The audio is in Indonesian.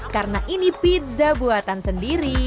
karena ini pizza buatan sendiri